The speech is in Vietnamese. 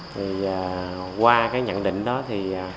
thì qua nhận định